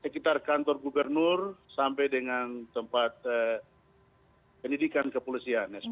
sekitar kantor gubernur sampai dengan tempat pendidikan kepolisian